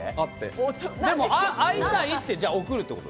会いたいって送るってこと？